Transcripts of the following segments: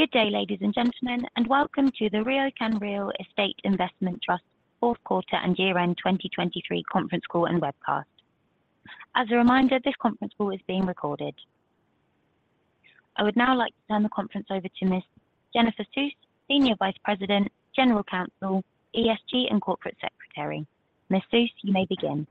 Good day, ladies and gentlemen, and welcome to the RioCan Real Estate Investment Trust's Fourth Quarter and Year-End 2023 Conference Call and Webcast. As a reminder, this conference call is being recorded. I would now like to turn the conference over to Ms. Jennifer Suess, Senior Vice President, General Counsel, ESG, and Corporate Secretary. Ms. Suess, you may begin.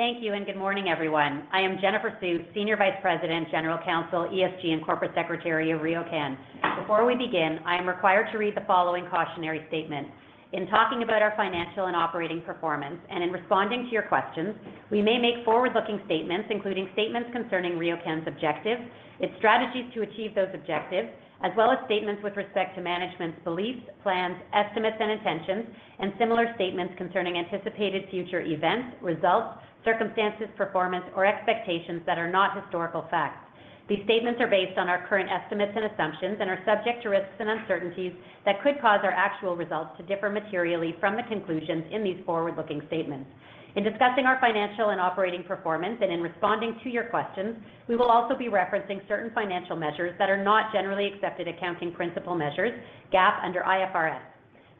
Thank you, and good morning, everyone. I am Jennifer Suess, Senior Vice President, General Counsel, ESG, and Corporate Secretary of RioCan. Before we begin, I am required to read the following cautionary statement. In talking about our financial and operating performance and in responding to your questions, we may make forward-looking statements including statements concerning RioCan's objectives, its strategies to achieve those objectives, as well as statements with respect to management's beliefs, plans, estimates, and intentions, and similar statements concerning anticipated future events, results, circumstances, performance, or expectations that are not historical facts. These statements are based on our current estimates and assumptions and are subject to risks and uncertainties that could cause our actual results to differ materially from the conclusions in these forward-looking statements. In discussing our financial and operating performance and in responding to your questions, we will also be referencing certain financial measures that are not generally accepted accounting principle measures, GAAP under IFRS.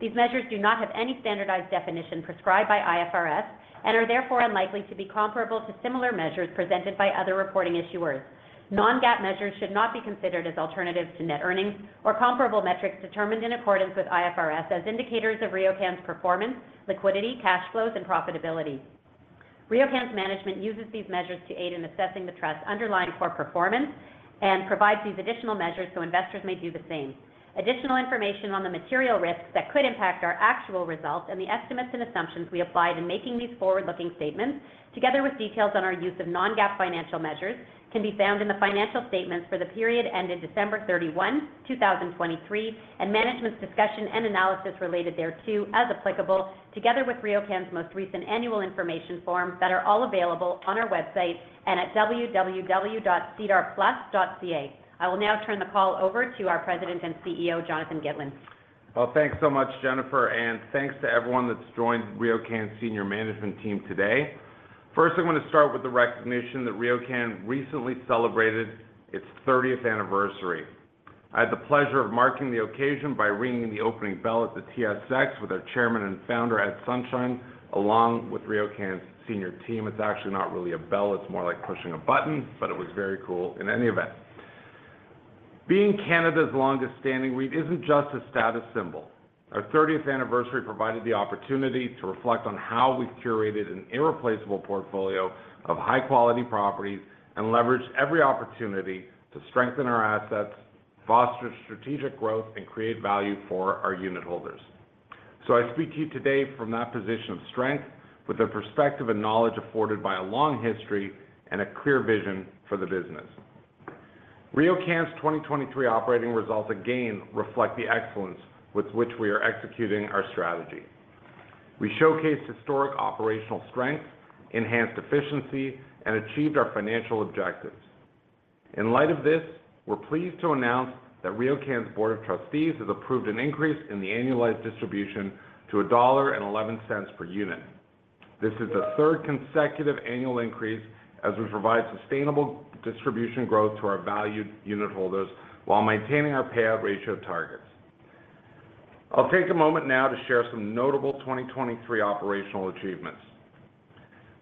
These measures do not have any standardized definition prescribed by IFRS and are therefore unlikely to be comparable to similar measures presented by other reporting issuers. Non-GAAP measures should not be considered as alternatives to net earnings or comparable metrics determined in accordance with IFRS as indicators of RioCan's performance, liquidity, cash flows, and profitability. RioCan's management uses these measures to aid in assessing the trust's underlying core performance and provides these additional measures so investors may do the same. Additional information on the material risks that could impact our actual results and the estimates and assumptions we applied in making these forward-looking statements, together with details on our use of non-GAAP financial measures, can be found in the financial statements for the period ended December 31, 2023, and management's discussion and analysis related thereto, as applicable, together with RioCan's most recent annual information forms that are all available on our website and at www.sedarplus.ca. I will now turn the call over to our President and CEO, Jonathan Gitlin. Well, thanks so much, Jennifer, and thanks to everyone that's joined RioCan's senior management team today. First, I'm going to start with the recognition that RioCan recently celebrated its 30th anniversary. I had the pleasure of marking the occasion by ringing the opening bell at the TSX with our Chairman and Founder, Ed Sonshine, along with RioCan's senior team. It's actually not really a bell. It's more like pushing a button, but it was very cool in any event. Being Canada's longest-standing REIT isn't just a status symbol. Our 30th anniversary provided the opportunity to reflect on how we've curated an irreplaceable portfolio of high-quality properties and leveraged every opportunity to strengthen our assets, foster strategic growth, and create value for our unit holders. I speak to you today from that position of strength, with the perspective and knowledge afforded by a long history and a clear vision for the business. RioCan's 2023 operating results, again, reflect the excellence with which we are executing our strategy. We showcased historic operational strength, enhanced efficiency, and achieved our financial objectives. In light of this, we're pleased to announce that RioCan's Board of Trustees has approved an increase in the annualized distribution to 1.11 dollar per unit. This is the third consecutive annual increase as we provide sustainable distribution growth to our valued unit holders while maintaining our payout ratio targets. I'll take a moment now to share some notable 2023 operational achievements.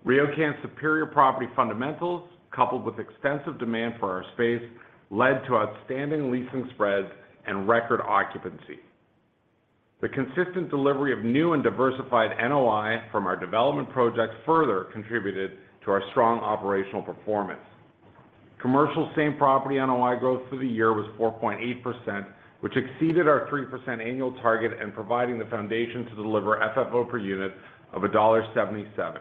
RioCan's superior property fundamentals, coupled with extensive demand for our space, led to outstanding leasing spreads and record occupancy. The consistent delivery of new and diversified NOI from our development projects further contributed to our strong operational performance. Commercial same-property NOI growth through the year was 4.8%, which exceeded our 3% annual target and provided the foundation to deliver FFO per unit of dollar 1.77,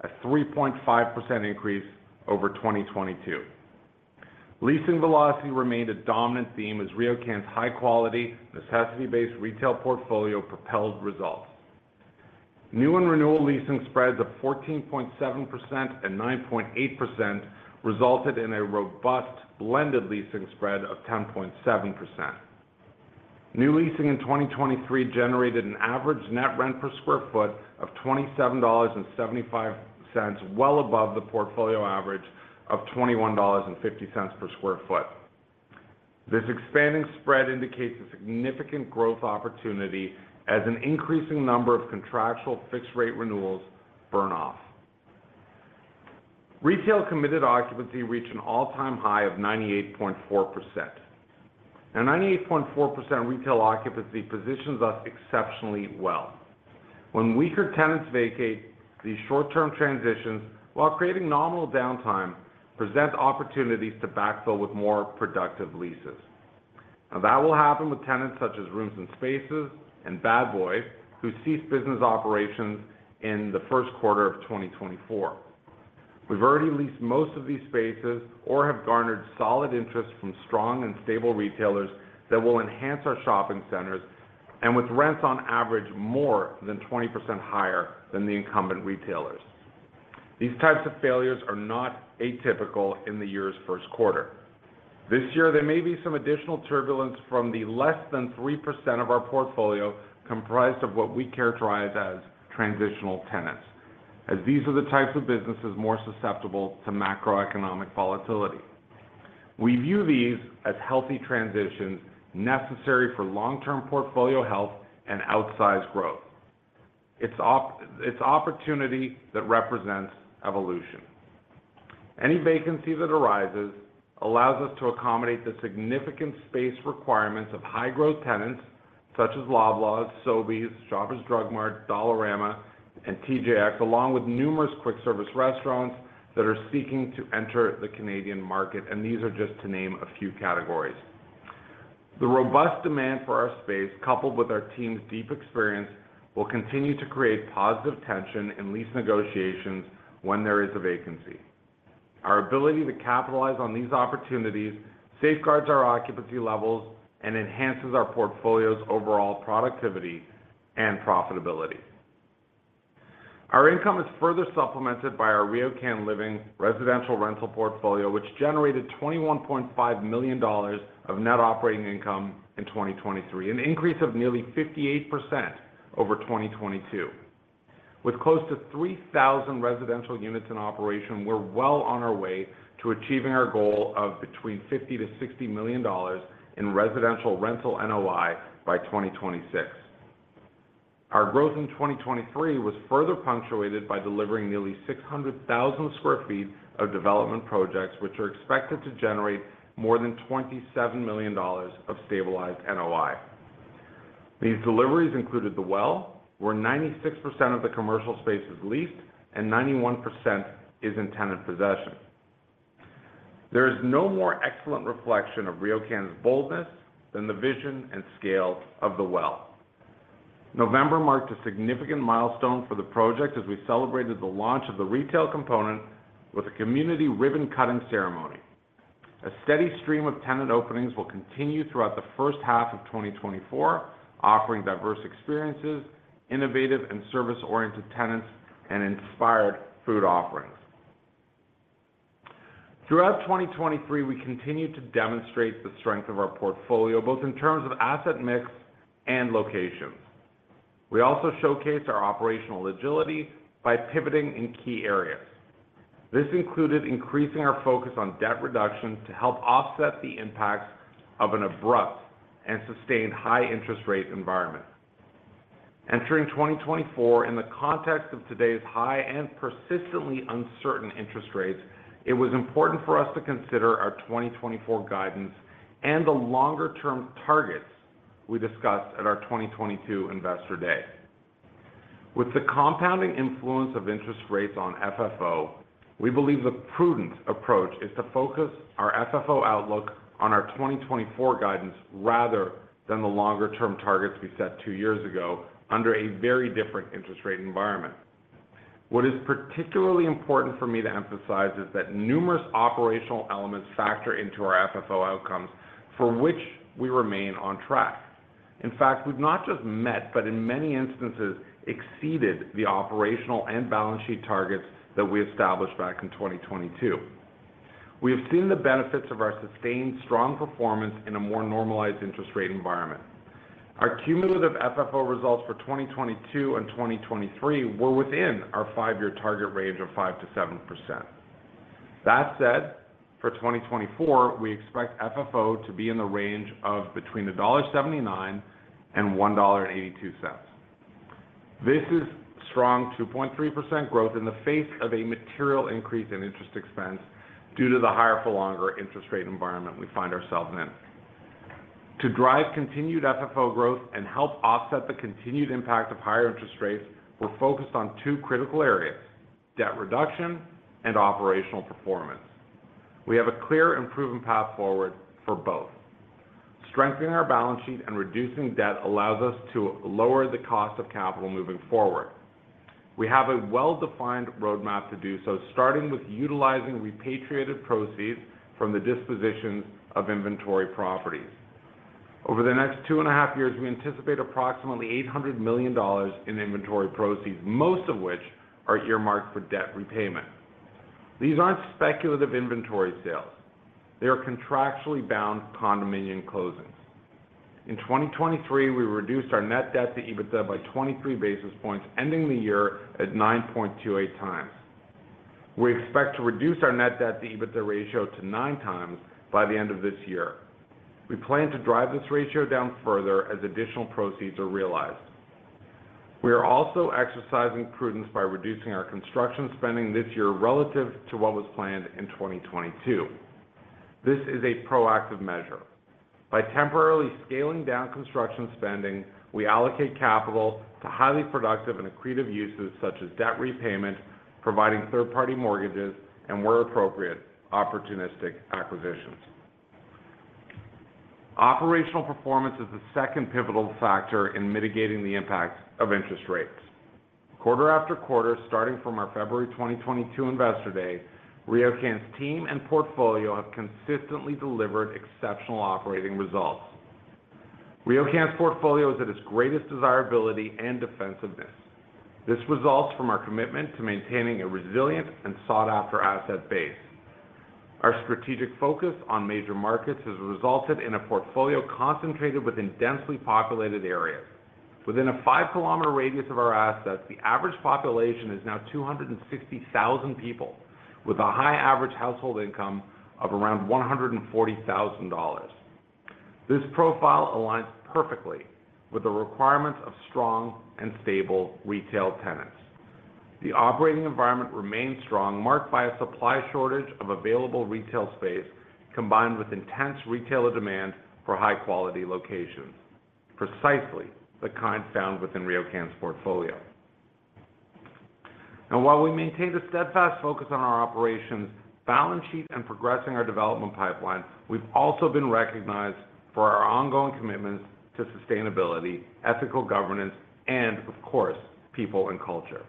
a 3.5% increase over 2022. Leasing velocity remained a dominant theme as RioCan's high-quality, necessity-based retail portfolio propelled results. New and renewal leasing spreads of 14.7% and 9.8% resulted in a robust blended leasing spread of 10.7%. New leasing in 2023 generated an average net rent per square foot of 27.75 dollars, well above the portfolio average of 21.50 dollars per square foot. This expanding spread indicates a significant growth opportunity as an increasing number of contractual fixed-rate renewals burn off. Retail committed occupancy reached an all-time high of 98.4%. Now, 98.4% retail occupancy positions us exceptionally well. When weaker tenants vacate, these short-term transitions, while creating nominal downtime, present opportunities to backfill with more productive leases. Now, that will happen with tenants such as Rooms & Spaces and Bad Boy, who ceased business operations in the first quarter of 2024. We've already leased most of these spaces or have garnered solid interest from strong and stable retailers that will enhance our shopping centers and with rents on average more than 20% higher than the incumbent retailers. These types of failures are not atypical in the year's first quarter. This year, there may be some additional turbulence from the less than 3% of our portfolio comprised of what we characterize as transitional tenants, as these are the types of businesses more susceptible to macroeconomic volatility. We view these as healthy transitions necessary for long-term portfolio health and outsized growth. It's opportunity that represents evolution. Any vacancy that arises allows us to accommodate the significant space requirements of high-growth tenants such as Loblaws, Sobeys, Shoppers Drug Mart, Dollarama, and TJX, along with numerous quick-service restaurants that are seeking to enter the Canadian market, and these are just to name a few categories. The robust demand for our space, coupled with our team's deep experience, will continue to create positive tension in lease negotiations when there is a vacancy. Our ability to capitalize on these opportunities safeguards our occupancy levels and enhances our portfolio's overall productivity and profitability. Our income is further supplemented by our RioCan Living residential rental portfolio, which generated 21.5 million dollars of net operating income in 2023, an increase of nearly 58% over 2022. With close to 3,000 residential units in operation, we're well on our way to achieving our goal of between 50 million-60 million dollars in residential rental NOI by 2026. Our growth in 2023 was further punctuated by delivering nearly 600,000 sq ft of development projects, which are expected to generate more than 27 million dollars of stabilized NOI. These deliveries included The Well, where 96% of the commercial space is leased, and 91% is in tenant possession. There is no more excellent reflection of RioCan's boldness than the vision and scale of The Well. November marked a significant milestone for the project as we celebrated the launch of the retail component with a community ribbon-cutting ceremony. A steady stream of tenant openings will continue throughout the first half of 2024, offering diverse experiences, innovative and service-oriented tenants, and inspired food offerings. Throughout 2023, we continue to demonstrate the strength of our portfolio, both in terms of asset mix and locations. We also showcased our operational agility by pivoting in key areas. This included increasing our focus on debt reduction to help offset the impacts of an abrupt and sustained high-interest rate environment. Entering 2024 in the context of today's high and persistently uncertain interest rates, it was important for us to consider our 2024 guidance and the longer-term targets we discussed at our 2022 Investor Day. With the compounding influence of interest rates on FFO, we believe the prudent approach is to focus our FFO outlook on our 2024 guidance rather than the longer-term targets we set two years ago under a very different interest rate environment. What is particularly important for me to emphasize is that numerous operational elements factor into our FFO outcomes, for which we remain on track. In fact, we've not just met but, in many instances, exceeded the operational and balance sheet targets that we established back in 2022. We have seen the benefits of our sustained strong performance in a more normalized interest rate environment. Our cumulative FFO results for 2022 and 2023 were within our five-year target range of 5%-7%. That said, for 2024, we expect FFO to be in the range of between dollar 1.79 and 1.82 dollar. This is strong 2.3% growth in the face of a material increase in interest expense due to the higher-for-longer interest rate environment we find ourselves in. To drive continued FFO growth and help offset the continued impact of higher interest rates, we're focused on two critical areas: debt reduction and operational performance. We have a clear improving path forward for both. Strengthening our balance sheet and reducing debt allows us to lower the cost of capital moving forward. We have a well-defined roadmap to do so, starting with utilizing repatriated proceeds from the dispositions of inventory properties. Over the next 2.5 years, we anticipate approximately 800 million dollars in inventory proceeds, most of which are earmarked for debt repayment. These aren't speculative inventory sales. They are contractually bound condominium closings. In 2023, we reduced our net debt to EBITDA by 23 basis points, ending the year at 9.28x. We expect to reduce our net debt to EBITDA ratio to 9x by the end of this year. We plan to drive this ratio down further as additional proceeds are realized. We are also exercising prudence by reducing our construction spending this year relative to what was planned in 2022. This is a proactive measure. By temporarily scaling down construction spending, we allocate capital to highly productive and accretive uses such as debt repayment, providing third-party mortgages, and, where appropriate, opportunistic acquisitions. Operational performance is the second pivotal factor in mitigating the impacts of interest rates. Quarter after quarter, starting from our February 2022 Investor Day, RioCan's team and portfolio have consistently delivered exceptional operating results. RioCan's portfolio is at its greatest desirability and defensiveness. This results from our commitment to maintaining a resilient and sought-after asset base. Our strategic focus on major markets has resulted in a portfolio concentrated within densely populated areas. Within a 5 km radius of our assets, the average population is now 260,000 people, with a high-average household income of around 140,000 dollars. This profile aligns perfectly with the requirements of strong and stable retail tenants. The operating environment remains strong, marked by a supply shortage of available retail space combined with intense retailer demand for high-quality locations, precisely the kind found within RioCan's portfolio. Now, while we maintain a steadfast focus on our operations, balance sheet, and progressing our development pipeline, we've also been recognized for our ongoing commitments to sustainability, ethical governance, and, of course, people and culture.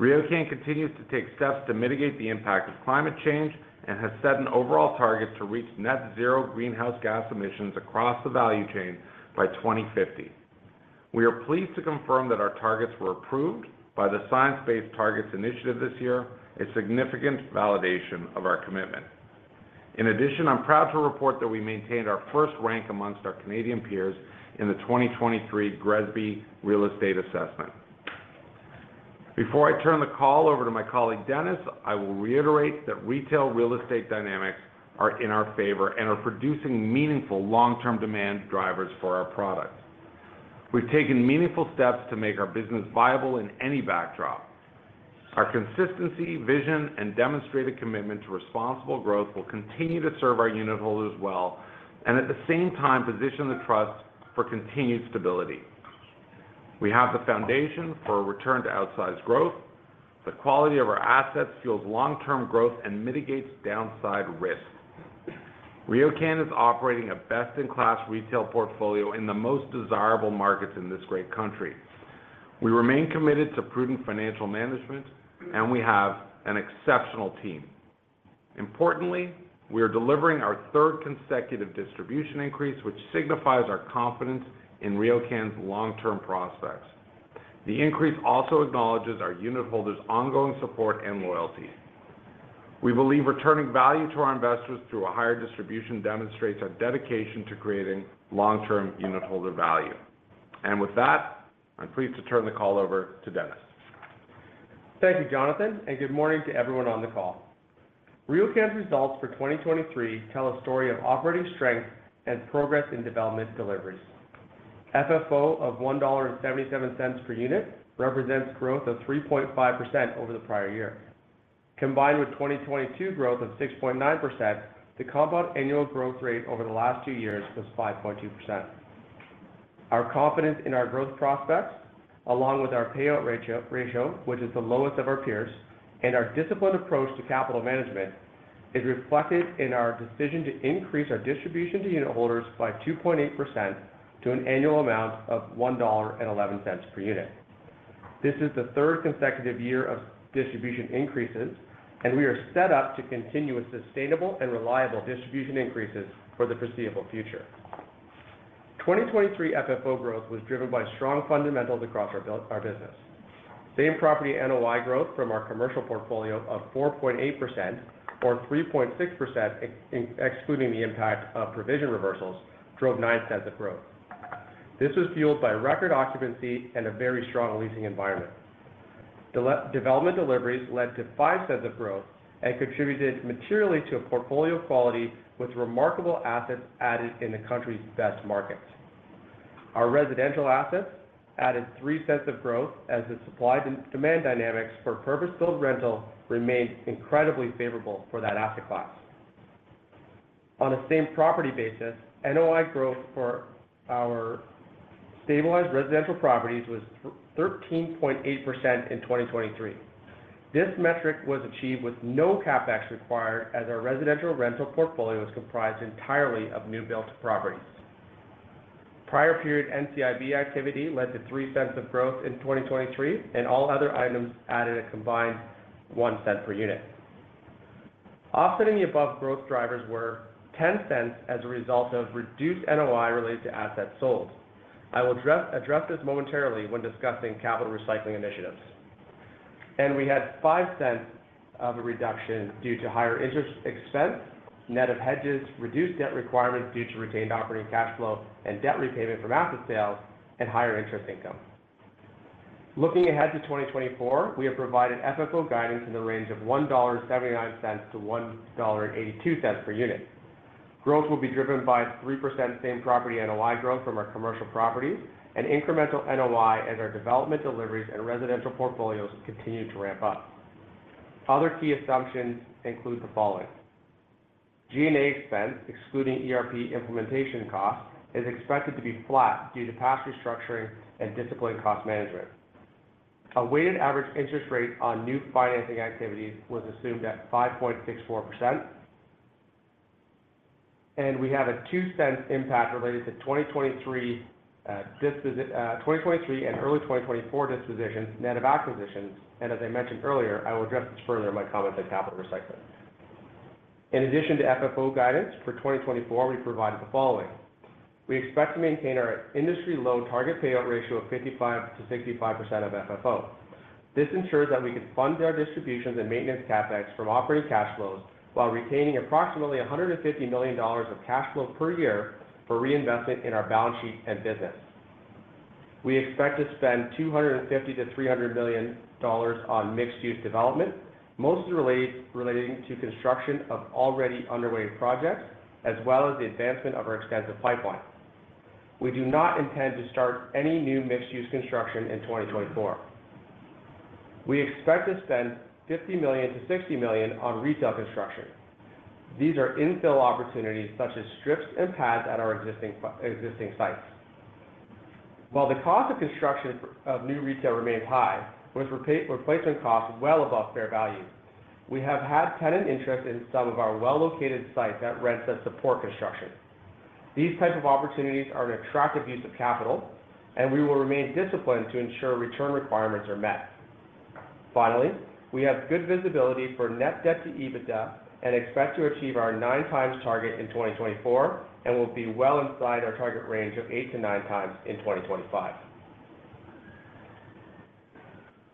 RioCan continues to take steps to mitigate the impact of climate change and has set an overall target to reach net-zero greenhouse gas emissions across the value chain by 2050. We are pleased to confirm that our targets were approved by the Science Based Targets initiative this year, a significant validation of our commitment. In addition, I'm proud to report that we maintained our first rank amongst our Canadian peers in the 2023 GRESB Real Estate Assessment. Before I turn the call over to my colleague Dennis, I will reiterate that retail real estate dynamics are in our favor and are producing meaningful long-term demand drivers for our products. We've taken meaningful steps to make our business viable in any backdrop. Our consistency, vision, and demonstrated commitment to responsible growth will continue to serve our unit holders well and, at the same time, position the trust for continued stability. We have the foundation for a return to outsized growth. The quality of our assets fuels long-term growth and mitigates downside risk. RioCan is operating a best-in-class retail portfolio in the most desirable markets in this great country. We remain committed to prudent financial management, and we have an exceptional team. Importantly, we are delivering our third consecutive distribution increase, which signifies our confidence in RioCan's long-term prospects. The increase also acknowledges our unit holders' ongoing support and loyalty. We believe returning value to our investors through a higher distribution demonstrates our dedication to creating long-term unit holder value. With that, I'm pleased to turn the call over to Dennis. Thank you, Jonathan, and good morning to everyone on the call. RioCan's results for 2023 tell a story of operating strength and progress in development deliveries. FFO of 1.77 dollar per unit represents growth of 3.5% over the prior year. Combined with 2022 growth of 6.9%, the compound annual growth rate over the last two years was 5.2%. Our confidence in our growth prospects, along with our payout ratio, which is the lowest of our peers, and our disciplined approach to capital management is reflected in our decision to increase our distribution to unit holders by 2.8% to an annual amount of 1.11 dollar per unit. This is the third consecutive year of distribution increases, and we are set up to continue with sustainable and reliable distribution increases for the foreseeable future. 2023 FFO growth was driven by strong fundamentals across our business. Same property NOI growth from our commercial portfolio of 4.8% or 3.6%, excluding the impact of provision reversals, drove 0.09 of growth. This was fueled by record occupancy and a very strong leasing environment. Development deliveries led to 0.05 of growth and contributed materially to a portfolio quality with remarkable assets added in the country's best markets. Our residential assets added 0.03 of growth as the supply-demand dynamics for purpose-built rental remained incredibly favorable for that asset class. On a same property basis, NOI growth for our stabilized residential properties was 13.8% in 2023. This metric was achieved with no CapEx required as our residential rental portfolio is comprised entirely of new-built properties. Prior-period NCIB activity led to 0.03 of growth in 2023, and all other items added a combined 0.01 per unit. Offsetting the above growth drivers were 0.10 as a result of reduced NOI related to assets sold. I will address this momentarily when discussing capital recycling initiatives. We had 0.05 of a reduction due to higher interest expense, net of hedges, reduced debt requirements due to retained operating cash flow and debt repayment from asset sales, and higher interest income. Looking ahead to 2024, we have provided FFO guidance in the range of 1.79-1.82 dollar per unit. Growth will be driven by 3% same property NOI growth from our commercial properties and incremental NOI as our development deliveries and residential portfolios continue to ramp up. Other key assumptions include the following: G&A expense, excluding ERP implementation costs, is expected to be flat due to past restructuring and disciplined cost management. A weighted average interest rate on new financing activities was assumed at 5.64%. We have a 0.02 impact related to 2023 and early 2024 dispositions, net of acquisitions. As I mentioned earlier, I will address this further in my comments on capital recycling. In addition to FFO guidance for 2024, we provided the following: We expect to maintain our industry-low target payout ratio of 55%-65% of FFO. This ensures that we can fund our distributions and maintenance CapEx from operating cash flows while retaining approximately 150 million dollars of cash flow per year for reinvestment in our balance sheet and business. We expect to spend 250 million-300 million dollars on mixed-use development, mostly relating to construction of already underway projects as well as the advancement of our extensive pipeline. We do not intend to start any new mixed-use construction in 2024. We expect to spend 50 million-60 million on retail construction. These are infill opportunities such as strips and pads at our existing sites. While the cost of construction of new retail remains high, with replacement costs well above fair value, we have had tenant interest in some of our well-located sites that rent as support construction. These types of opportunities are an attractive use of capital, and we will remain disciplined to ensure return requirements are met. Finally, we have good visibility for net debt to EBITDA and expect to achieve our 9x target in 2024 and will be well inside our target range of 8x-9x in 2025.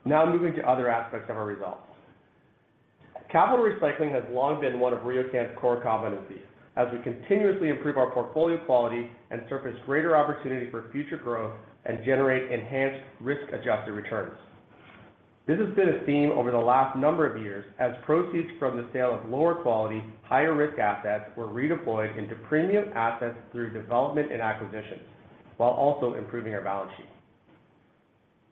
Now moving to other aspects of our results. Capital recycling has long been one of RioCan's core competencies as we continuously improve our portfolio quality and surface greater opportunity for future growth and generate enhanced risk-adjusted returns. This has been a theme over the last number of years as proceeds from the sale of lower quality, higher-risk assets were redeployed into premium assets through development and acquisitions while also improving our balance sheet.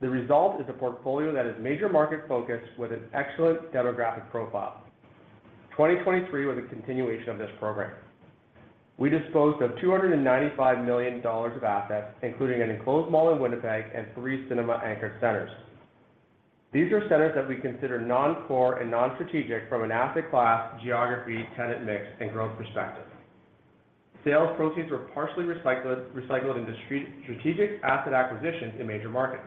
The result is a portfolio that is major market focused with an excellent demographic profile. 2023 was a continuation of this program. We disposed of 295 million dollars of assets, including an enclosed mall in Winnipeg and three cinema-anchored centers. These are centers that we consider non-core and non-strategic from an asset class, geography, tenant mix, and growth perspective. Sales proceeds were partially recycled into strategic asset acquisitions in major markets.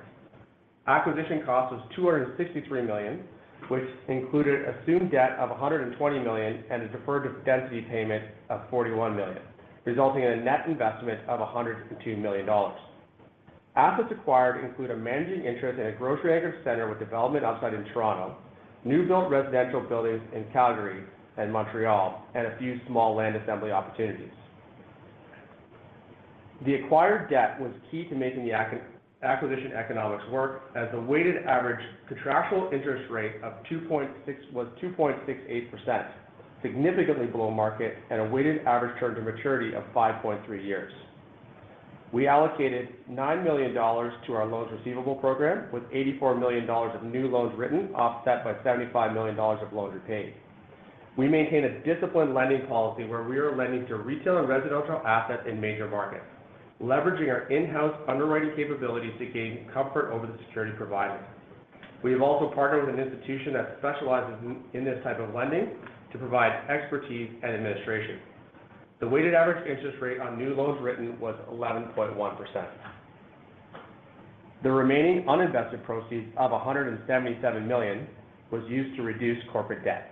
Acquisition cost was 263 million, which included assumed debt of 120 million and a deferred density payment of 41 million, resulting in a net investment of 102 million dollars. Assets acquired include a managing interest in a grocery-anchored center with development upside in Toronto, new-built residential buildings in Calgary and Montreal, and a few small land assembly opportunities. The acquired debt was key to making the acquisition economics work as the weighted average contractual interest rate was 2.68%, significantly below market, and a weighted average term to maturity of 5.3 years. We allocated 9 million dollars to our loans receivable program with 84 million dollars of new loans written offset by 75 million dollars of loans repaid. We maintain a disciplined lending policy where we are lending to retail and residential assets in major markets, leveraging our in-house underwriting capabilities to gain comfort over the security provided. We have also partnered with an institution that specializes in this type of lending to provide expertise and administration. The weighted average interest rate on new loans written was 11.1%. The remaining uninvested proceeds of 177 million was used to reduce corporate debt.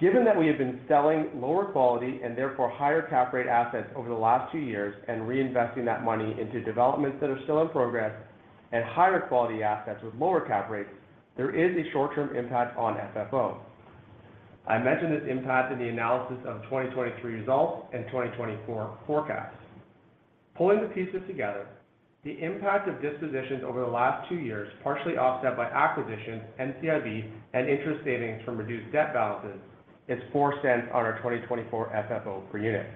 Given that we have been selling lower quality and therefore higher cap rate assets over the last two years and reinvesting that money into developments that are still in progress and higher quality assets with lower cap rates, there is a short-term impact on FFO. I mentioned this impact in the analysis of 2023 results and 2024 forecasts. Pulling the pieces together, the impact of dispositions over the last two years, partially offset by acquisitions, NCIB, and interest savings from reduced debt balances, is 0.04 on our 2024 FFO per unit.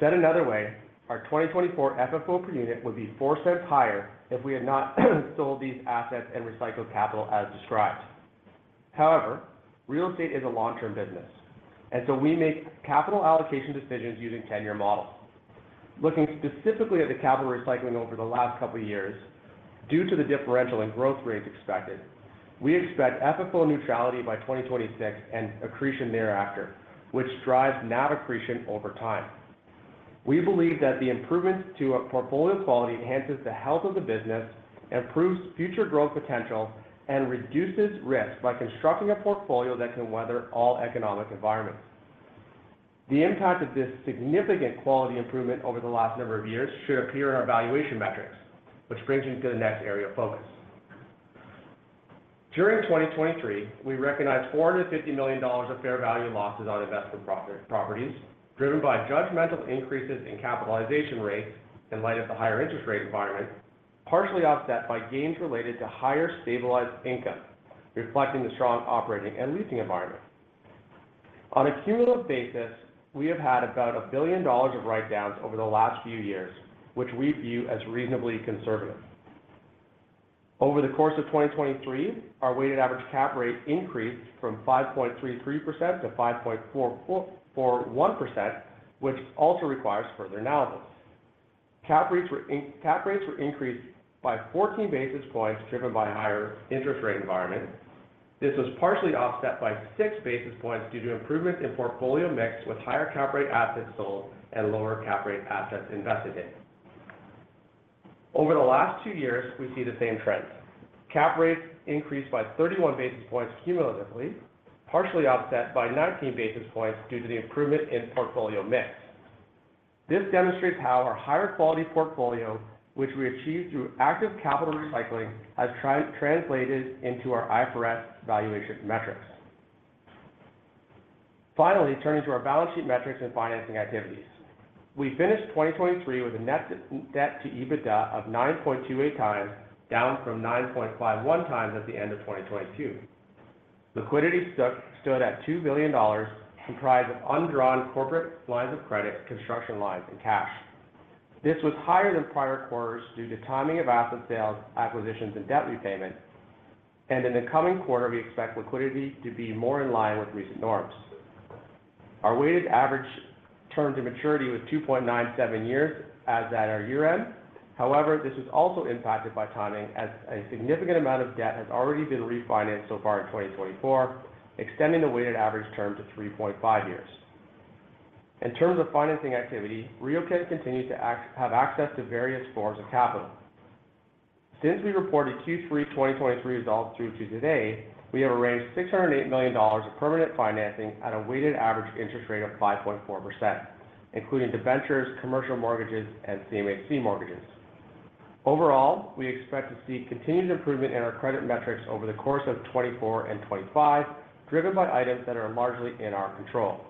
Said another way, our 2024 FFO per unit would be 0.04 higher if we had not sold these assets and recycled capital as described. However, real estate is a long-term business, and so we make capital allocation decisions using 10-year models. Looking specifically at the capital recycling over the last couple of years, due to the differential in growth rates expected, we expect FFO neutrality by 2026 and accretion thereafter, which drives net accretion over time. We believe that the improvement to portfolio quality enhances the health of the business, improves future growth potential, and reduces risk by constructing a portfolio that can weather all economic environments. The impact of this significant quality improvement over the last number of years should appear in our valuation metrics, which brings me to the next area of focus. During 2023, we recognized 450 million dollars of fair value losses on investment properties, driven by judgmental increases in capitalization rates in light of the higher interest rate environment, partially offset by gains related to higher stabilized income, reflecting the strong operating and leasing environment. On a cumulative basis, we have had about 1 billion dollars of write-downs over the last few years, which we view as reasonably conservative. Over the course of 2023, our weighted average cap rate increased from 5.33%-5.41%, which also requires further analysis. Cap rates were increased by 14 basis points driven by a higher interest rate environment. This was partially offset by 6 basis points due to improvements in portfolio mix with higher cap-rate assets sold and lower cap-rate assets invested in. Over the last two years, we see the same trend: cap rates increased by 31 basis points cumulatively, partially offset by 19 basis points due to the improvement in portfolio mix. This demonstrates how our higher quality portfolio, which we achieved through active capital recycling, has translated into our IFRS valuation metrics. Finally, turning to our balance sheet metrics and financing activities, we finished 2023 with a net debt to EBITDA of 9.28x, down from 9.51x at the end of 2022. Liquidity stood at 2 billion dollars, comprised of undrawn corporate lines of credit, construction lines, and cash. This was higher than prior quarters due to timing of asset sales, acquisitions, and debt repayment. In the coming quarter, we expect liquidity to be more in line with recent norms. Our weighted average term to maturity was 2.97 years as at our year-end. However, this was also impacted by timing as a significant amount of debt has already been refinanced so far in 2024, extending the weighted average term to 3.5 years. In terms of financing activity, RioCan continues to have access to various forms of capital. Since we reported Q3 2023 results through to today, we have arranged 608 million dollars of permanent financing at a weighted average interest rate of 5.4%, including debentures, commercial mortgages, and CMHC mortgages. Overall, we expect to see continued improvement in our credit metrics over the course of 2024 and 2025, driven by items that are largely in our control.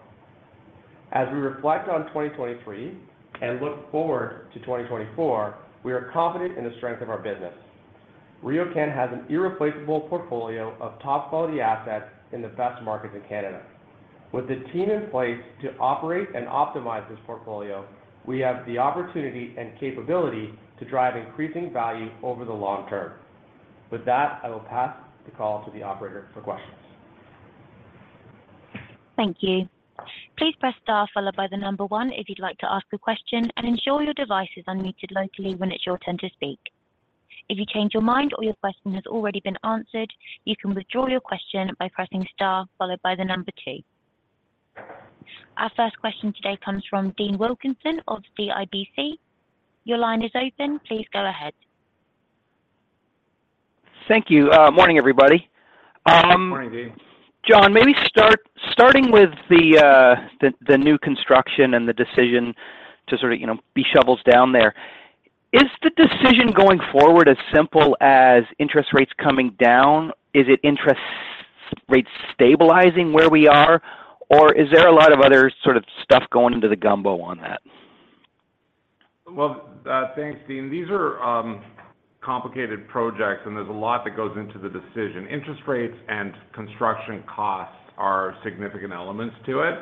As we reflect on 2023 and look forward to 2024, we are confident in the strength of our business. RioCan has an irreplaceable portfolio of top-quality assets in the best markets in Canada. With the team in place to operate and optimize this portfolio, we have the opportunity and capability to drive increasing value over the long term. With that, I will pass the call to the operator for questions. Thank you. Please press star followed by the number one if you'd like to ask a question and ensure your device is unmuted locally when it's your turn to speak. If you change your mind or your question has already been answered, you can withdraw your question by pressing star followed by the number two. Our first question today comes from Dean Wilkinson of CIBC. Your line is open. Please go ahead. Thank you. Morning, everybody. Morning, Dean. Jon, maybe starting with the new construction and the decision to sort of be shovels down there. Is the decision going forward as simple as interest rates coming down? Is it interest rates stabilizing where we are, or is there a lot of other sort of stuff going into the gumbo on that? Well, thanks, Dean. These are complicated projects, and there's a lot that goes into the decision. Interest rates and construction costs are significant elements to it,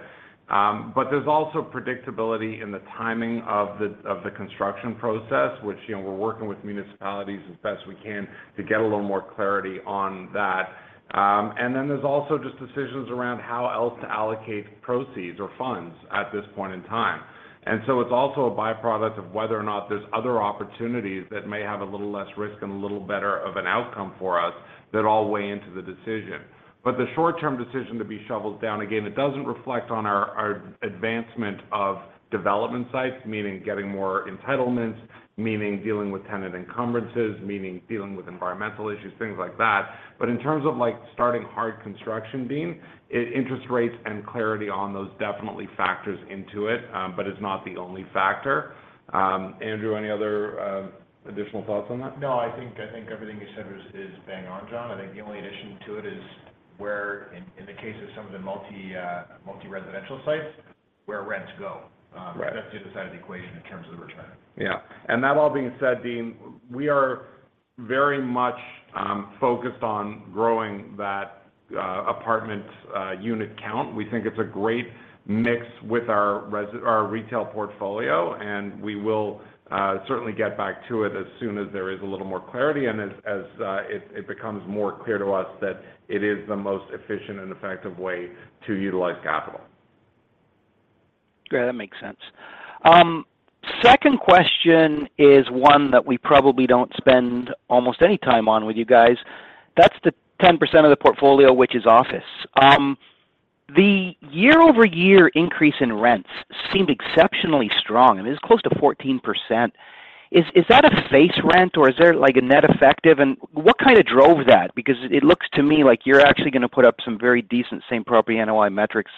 but there's also predictability in the timing of the construction process, which we're working with municipalities as best we can to get a little more clarity on that. And then there's also just decisions around how else to allocate proceeds or funds at this point in time. And so it's also a byproduct of whether or not there's other opportunities that may have a little less risk and a little better of an outcome for us that all weigh into the decision. But the short-term decision to be shovels down, again, it doesn't reflect on our advancement of development sites, meaning getting more entitlements, meaning dealing with tenant encumbrances, meaning dealing with environmental issues, things like that. But in terms of starting hard construction, Dean, interest rates and clarity on those definitely factors into it, but it's not the only factor. Andrew, any other additional thoughts on that? No, I think everything you said is bang-on, Jon. I think the only addition to it is where, in the case of some of the multi-residential sites, where rents go. That's the other side of the equation in terms of the return. Yeah. That all being said, Dean, we are very much focused on growing that apartment unit count. We think it's a great mix with our retail portfolio, and we will certainly get back to it as soon as there is a little more clarity and as it becomes more clear to us that it is the most efficient and effective way to utilize capital. Great. That makes sense. Second question is one that we probably don't spend almost any time on with you guys. That's the 10% of the portfolio, which is office. The year-over-year increase in rents seemed exceptionally strong, and it was close to 14%. Is that a face rent, or is there a net effective? And what kind of drove that? Because it looks to me like you're actually going to put up some very decent same-property NOI metrics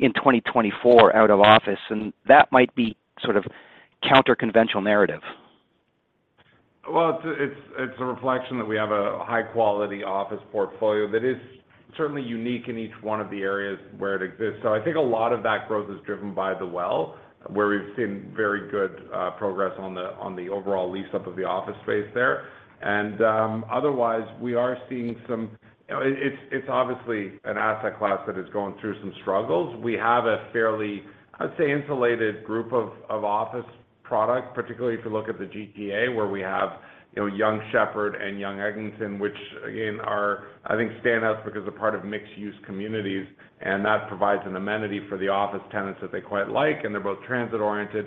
in 2024 out of office, and that might be sort of counterconventional narrative. Well, it's a reflection that we have a high-quality office portfolio that is certainly unique in each one of the areas where it exists. So I think a lot of that growth is driven by The Well, where we've seen very good progress on the overall lease-up of the office space there. And otherwise, we are seeing some; it's obviously an asset class that is going through some struggles. We have a fairly, I would say, insulated group of office products, particularly if you look at the GTA, where we have Yonge Sheppard and Yonge Eglinton, which, again, are, I think, standouts because they're part of mixed-use communities, and that provides an amenity for the office tenants that they quite like, and they're both transit-oriented.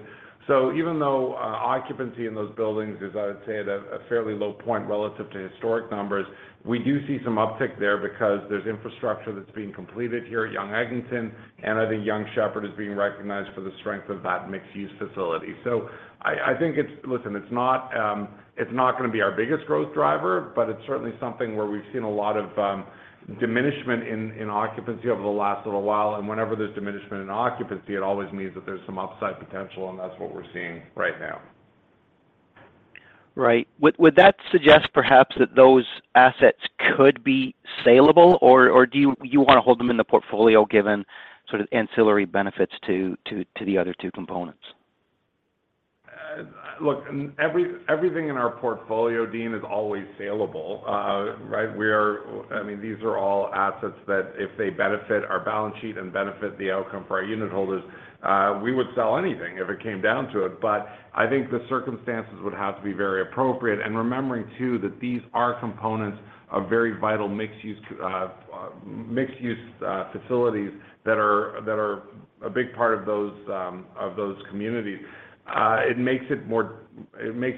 So even though occupancy in those buildings is, I would say, at a fairly low point relative to historic numbers, we do see some uptick there because there's infrastructure that's being completed here at Yonge Eglinton, and I think Yonge Sheppard is being recognized for the strength of that mixed-use facility. So I think, listen, it's not going to be our biggest growth driver, but it's certainly something where we've seen a lot of diminishment in occupancy over the last little while. Whenever there's diminishment in occupancy, it always means that there's some upside potential, and that's what we're seeing right now. Right. Would that suggest perhaps that those assets could be saleable, or do you want to hold them in the portfolio given sort of ancillary benefits to the other two components? Look, everything in our portfolio, Dean, is always saleable, right? I mean, these are all assets that, if they benefit our balance sheet and benefit the outcome for our unit holders, we would sell anything if it came down to it. But I think the circumstances would have to be very appropriate. And remembering, too, that these are components of very vital mixed-use facilities that are a big part of those communities. It makes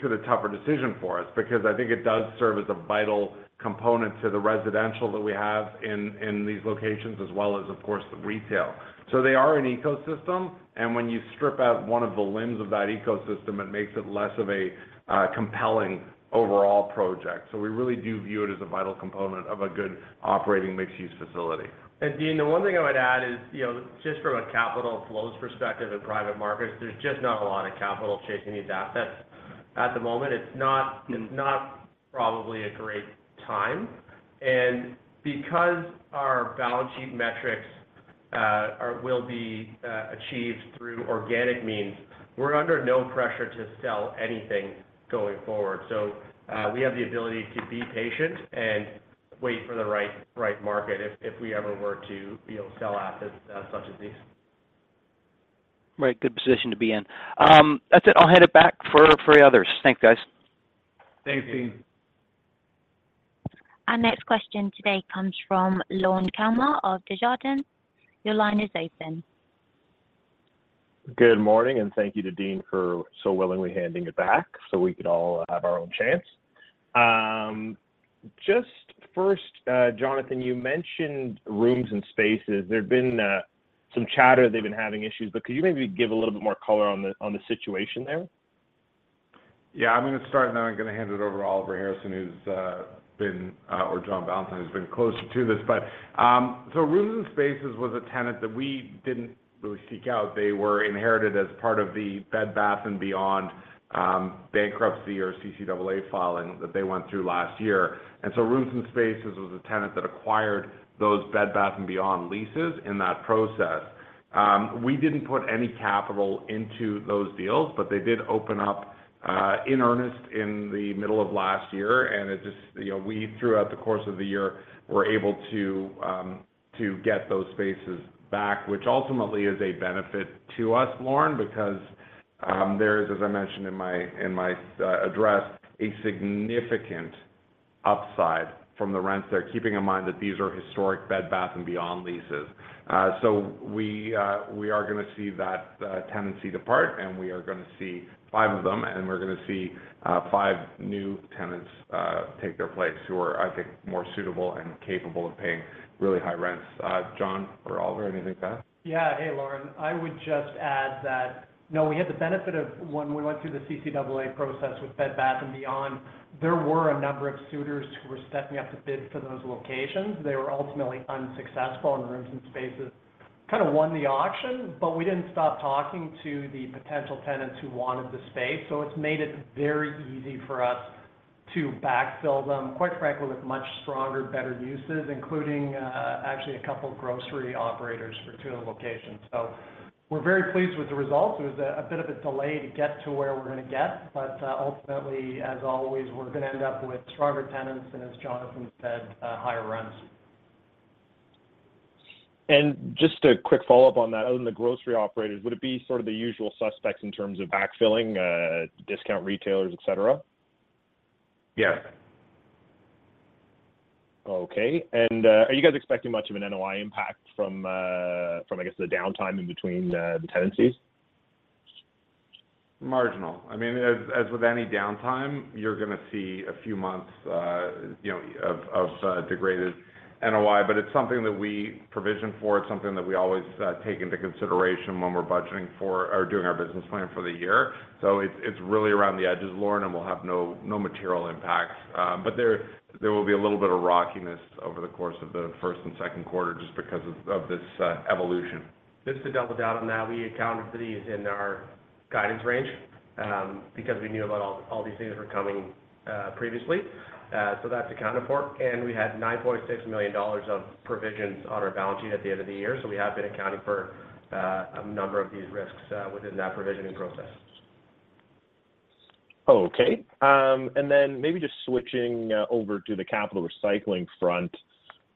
it a tougher decision for us because I think it does serve as a vital component to the residential that we have in these locations as well as, of course, the retail. So they are an ecosystem, and when you strip out one of the limbs of that ecosystem, it makes it less of a compelling overall project. We really do view it as a vital component of a good operating mixed-use facility. Dean, the one thing I would add is, just from a capital flows perspective in private markets, there's just not a lot of capital chasing these assets at the moment. It's not probably a great time. Because our balance sheet metrics will be achieved through organic means, we're under no pressure to sell anything going forward. We have the ability to be patient and wait for the right market if we ever were to sell assets such as these. Right. Good position to be in. That's it. I'll hand it back for the others. Thanks, guys. Thanks, Dean. Our next question today comes from Lorne Kalmar of Desjardins. Your line is open. Good morning, and thank you to Dean for so willingly handing it back so we could all have our own chance. Just first, Jonathan, you mentioned Rooms and Spaces. There's been some chatter they've been having issues, but could you maybe give a little bit more color on the situation there? Yeah. I'm going to start, and then I'm going to hand it over to Oliver Harrison, who's been or John Ballantyne, who's been closer to this. So Rooms and Spaces was a tenant that we didn't really seek out. They were inherited as Bed Bath & Beyond bankruptcy or CCAA filing that they went through last year. And so Rooms and Spaces was a tenant Bed Bath & Beyond leases in that process. We didn't put any capital into those deals, but they did open up in earnest in the middle of last year. We, throughout the course of the year, were able to get those spaces back, which ultimately is a benefit to us, Lorne, because there is, as I mentioned in my address, a significant upside from the rents there, keeping in mind that these are historic Bed Bath & Beyond leases. So we are going to see that tenancy depart, and we are going to see five of them, and we're going to see five new tenants take their place who are, I think, more suitable and capable of paying really high rents. John or Oliver, anything to add? Yeah. Hey, Lorne. I would just add that, no, we had the benefit of when we went through the CCAA process with Bed Bath & Beyond, there were a number of suitors who were stepping up to bid for those locations. They were ultimately unsuccessful, and Rooms & Spaces kind of won the auction, but we didn't stop talking to the potential tenants who wanted the space. So it's made it very easy for us to backfill them, quite frankly, with much stronger, better uses, including actually a couple of grocery operators for two of the locations. So we're very pleased with the results. It was a bit of a delay to get to where we're going to get, but ultimately, as always, we're going to end up with stronger tenants and, as Jonathan said, higher rents. Just a quick follow-up on that, other than the grocery operators, would it be sort of the usual suspects in terms of backfilling, discount retailers, etc.? Yes. Okay. Are you guys expecting much of an NOI impact from, I guess, the downtime in between the tenancies? Marginal. I mean, as with any downtime, you're going to see a few months of degraded NOI, but it's something that we provision for. It's something that we always take into consideration when we're budgeting for or doing our business plan for the year. So it's really around the edges, Lorne, and we'll have no material impact. But there will be a little bit of rockiness over the course of the first and second quarter just because of this evolution. Just to double down on that, we accounted for these in our guidance range because we knew about all these things were coming previously. So that's accounted for. And we had 9.6 million dollars of provisions on our balance sheet at the end of the year. So we have been accounting for a number of these risks within that provisioning process. Okay. And then maybe just switching over to the capital recycling front.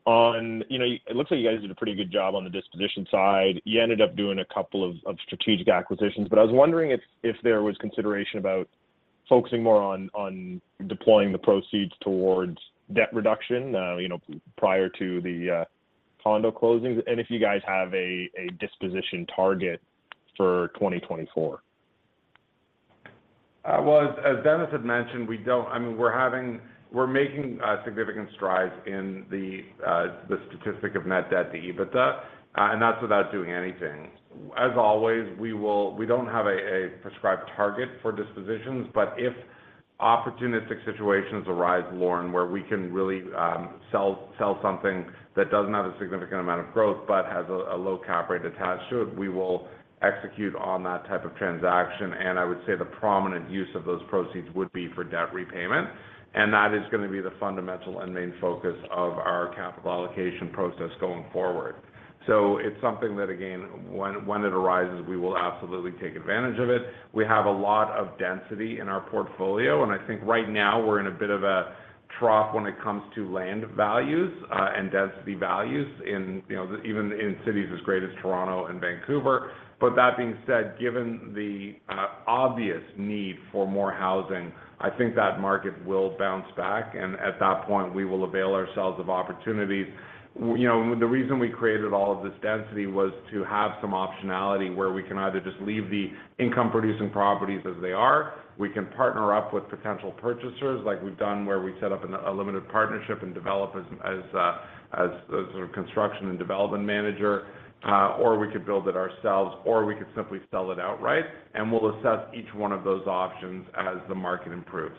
It looks like you guys did a pretty good job on the disposition side. You ended up doing a couple of strategic acquisitions, but I was wondering if there was consideration about focusing more on deploying the proceeds towards debt reduction prior to the condo closings and if you guys have a disposition target for 2024? Well, as Dennis had mentioned, we don't, I mean, we're making significant strides in the statistic of net debt to EBITDA, and that's without doing anything. As always, we don't have a prescribed target for dispositions, but if opportunistic situations arise, Lorne, where we can really sell something that doesn't have a significant amount of growth but has a low cap rate attached to it, we will execute on that type of transaction. And I would say the prominent use of those proceeds would be for debt repayment. And that is going to be the fundamental and main focus of our capital allocation process going forward. So it's something that, again, when it arises, we will absolutely take advantage of it. We have a lot of density in our portfolio, and I think right now we're in a bit of a trough when it comes to land values and density values, even in cities as great as Toronto and Vancouver. But that being said, given the obvious need for more housing, I think that market will bounce back, and at that point, we will avail ourselves of opportunities. The reason we created all of this density was to have some optionality where we can either just leave the income-producing properties as they are. We can partner up with potential purchasers like we've done where we set up a limited partnership and develop as a sort of construction and development manager, or we could build it ourselves, or we could simply sell it outright. We'll assess each one of those options as the market improves.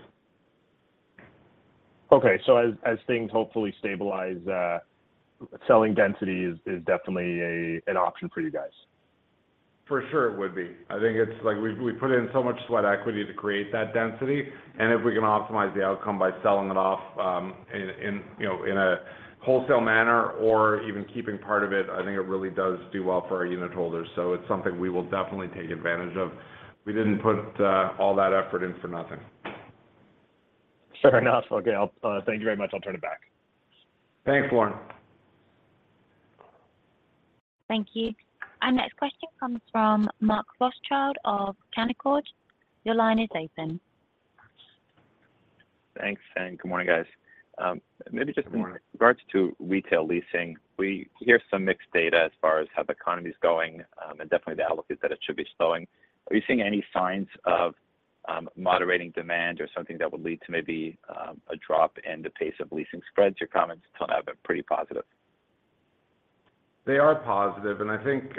Okay. As things hopefully stabilize, selling density is definitely an option for you guys. For sure, it would be. I think it's like we put in so much sweat equity to create that density. If we can optimize the outcome by selling it off in a wholesale manner or even keeping part of it, I think it really does do well for our unit holders. It's something we will definitely take advantage of. We didn't put all that effort in for nothing. Fair enough. Okay. Thank you very much. I'll turn it back. Thanks, Lorne. Thank you. Our next question comes from Mark Rothschild of Canaccord. Your line is open. Thanks, Finn. Good morning, guys. Maybe just in regards to retail leasing, we hear some mixed data as far as how the economy's going and definitely the outlook is that it should be slowing. Are you seeing any signs of moderating demand or something that would lead to maybe a drop in the pace of leasing spreads? Your comments till now have been pretty positive. They are positive. I think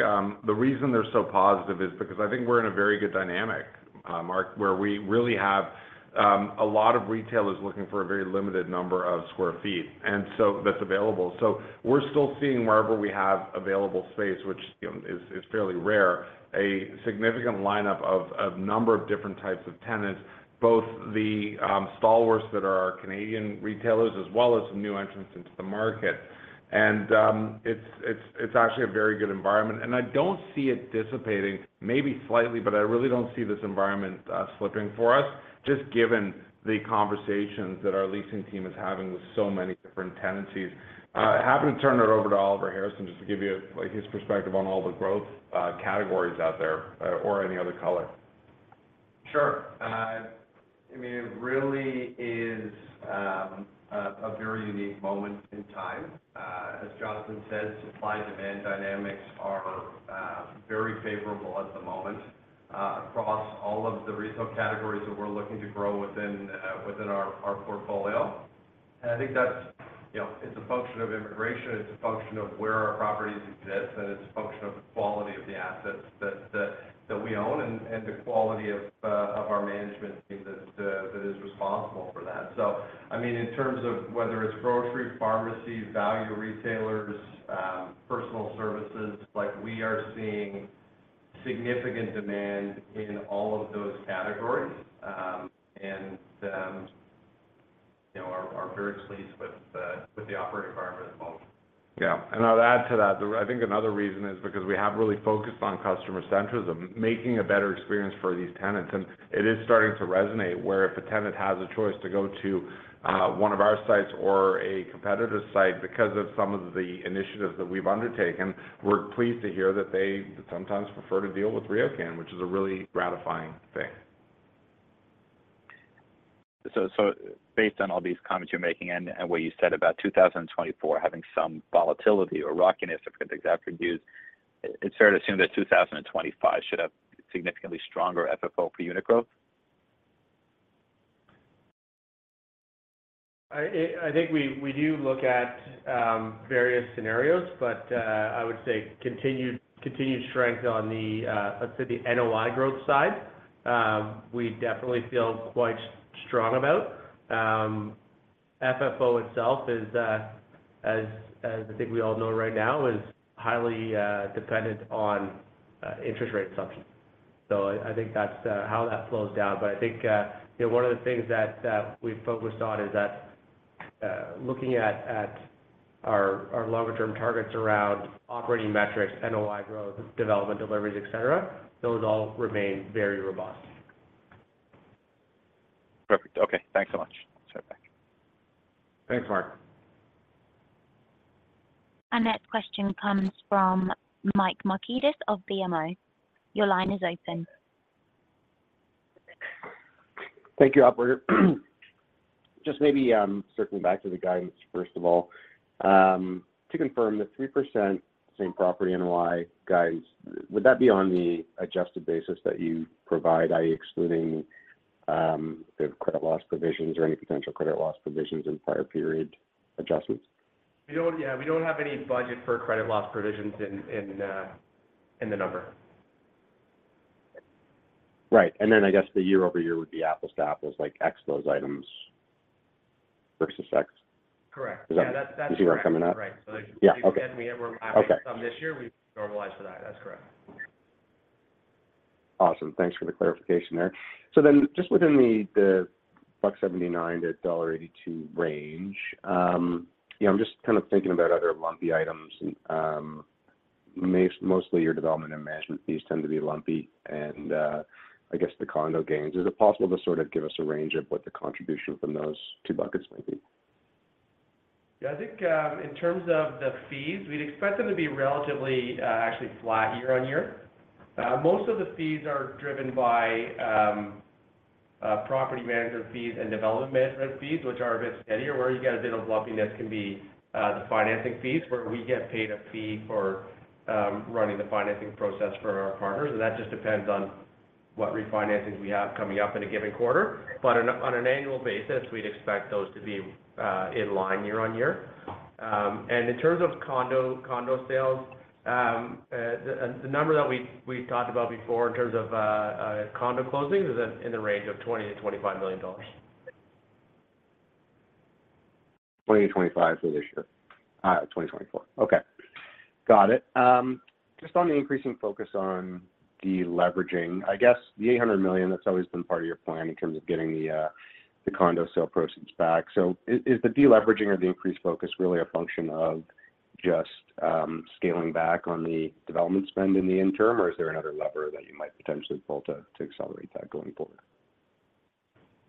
the reason they're so positive is because I think we're in a very good dynamic, Mark, where we really have a lot of retailers looking for a very limited number of square feet that's available. We're still seeing, wherever we have available space, which is fairly rare, a significant lineup of a number of different types of tenants, both the stalwarts that are Canadian retailers as well as some new entrants into the market. It's actually a very good environment. I don't see it dissipating, maybe slightly, but I really don't see this environment slipping for us, just given the conversations that our leasing team is having with so many different tenancies. Happy to turn it over to Oliver Harrison just to give you his perspective on all the growth categories out there or any other color. Sure. I mean, it really is a very unique moment in time. As Jonathan says, supply-demand dynamics are very favorable at the moment across all of the retail categories that we're looking to grow within our portfolio. I think it's a function of immigration. It's a function of where our properties exist, and it's a function of the quality of the assets that we own and the quality of our management team that is responsible for that. I mean, in terms of whether it's grocery, pharmacy, value retailers, personal services, we are seeing significant demand in all of those categories, and we're very pleased with the operating environment as well. Yeah. I'll add to that. I think another reason is because we have really focused on customer centrism, making a better experience for these tenants. It is starting to resonate where if a tenant has a choice to go to one of our sites or a competitor's site because of some of the initiatives that we've undertaken, we're pleased to hear that they sometimes prefer to deal with RioCan, which is a really gratifying thing. So based on all these comments you're making and what you said about 2024 having some volatility or rockiness, if I could get the exact reviews, it's fair to assume that 2025 should have significantly stronger FFO for unit growth? I think we do look at various scenarios, but I would say continued strength on the, let's say, the NOI growth side, we definitely feel quite strong about. FFO itself, as I think we all know right now, is highly dependent on interest rate assumptions. So I think that's how that flows down. But I think one of the things that we've focused on is that looking at our longer-term targets around operating metrics, NOI growth, development deliveries, etc., those all remain very robust. Perfect. Okay. Thanks so much. I'll turn it back. Thanks, Mark. Our next question comes from Mike Markidis of BMO. Your line is open. Thank you, operator. Just maybe circling back to the guidance, first of all, to confirm, the 3% same-property NOI guidance, would that be on the adjusted basis that you provide, i.e., excluding credit loss provisions or any potential credit loss provisions in prior period adjustments? Yeah. We don't have any budget for credit loss provisions in the number. Right. And then I guess the year-over-year would be apples to apples, like exposed items versus ex. Correct. Yeah. That's correct. Is that what you're coming at? Right. So if you said we're lacking some this year, we normalize for that. That's correct. Awesome. Thanks for the clarification there. So then just within the 1.79-1.82 dollar range, I'm just kind of thinking about other lumpy items. Mostly, your development and management fees tend to be lumpy, and I guess the condo gains. Is it possible to sort of give us a range of what the contribution from those two buckets might be? Yeah. I think in terms of the fees, we'd expect them to be relatively actually flat year-over-year. Most of the fees are driven by property management fees and development management fees, which are a bit steadier, where you get a bit of lumpiness can be the financing fees, where we get paid a fee for running the financing process for our partners. And that just depends on what refinancings we have coming up in a given quarter. But on an annual basis, we'd expect those to be in line year-over-year. And in terms of condo sales, the number that we talked about before in terms of condo closings is in the range of 20 million-25 million dollars. 20-25 for this year? 2024. Okay. Got it. Just on the increasing focus on deleveraging, I guess the 800 million, that's always been part of your plan in terms of getting the condo sale proceeds back. So is the deleveraging or the increased focus really a function of just scaling back on the development spend in the interim, or is there another lever that you might potentially pull to accelerate that going forward?